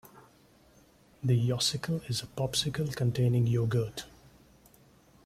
The Yosicle is a Popsicle containing yogurt.